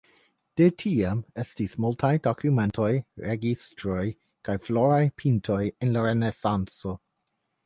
De tiam estis multaj dokumentaj registroj kaj floraj pintoj en la Renesanco.